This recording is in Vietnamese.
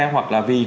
hoặc là vì có